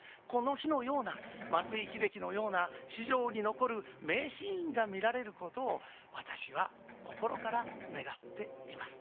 この日のような松井秀喜のような史上に残る名シーンが見られることを私は心から願っています。